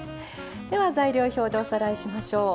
材料表でおさらいしましょう。